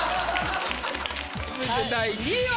続いて第２位は？